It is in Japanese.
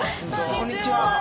こんにちは。